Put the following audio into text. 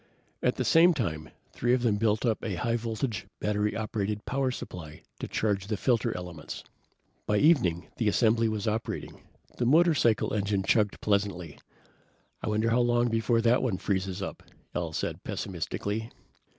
At the same time, three of them built up a high voltage, battery operated power supply to charge the filter elements. By evening the assembly was operating. The motorcycle engine chugged pleasantly. "I wonder how long before that one freezes up," Al said pessimistically.